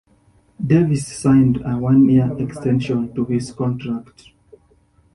Davies signed a one-year extension to his contract.